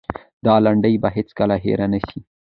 دا لنډۍ به هېڅکله هېره نه سي.